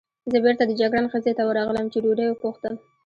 زه بېرته د جګړن خزې ته ورغلم، چې ډوډۍ وپوښتم.